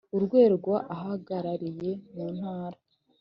urwego ahagarariye mu ntara